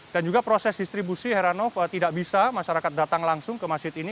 dan juga proses distribusi heranov tidak bisa masyarakat datang langsung ke masjid ini